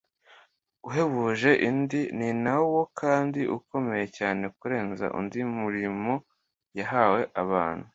uhebuje indi, ni nawo kandi ukomeye cyane kurenza indi mirimo yahawe abantu